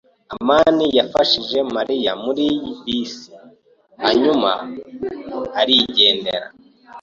amani yafashije Mariya muri bisi, hanyuma arigendera.